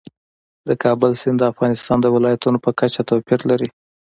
د کابل سیند د افغانستان د ولایاتو په کچه توپیر لري.